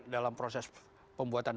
dalam proses pembuatan